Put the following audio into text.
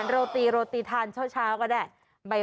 โรตีทานเช้าก็ได้